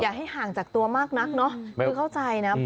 อย่าให้ห่างจากตัวมากนะคือเข้าใจนะ